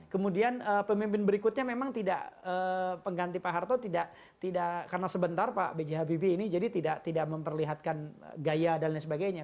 kemudian pemimpin berikutnya memang tidak pengganti pak harto tidak karena sebentar pak b j habibie ini jadi tidak memperlihatkan gaya dan lain sebagainya